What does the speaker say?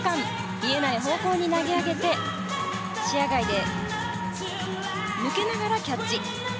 見えない方向に投げ上げて視野外で抜けながらキャッチ。